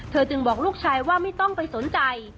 จึงบอกลูกชายว่าไม่ต้องไปสนใจ